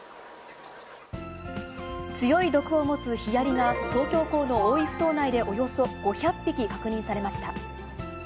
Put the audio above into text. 強い毒を持つヒアリが東京港の大井ふ頭内でおよそ５００匹確認されました。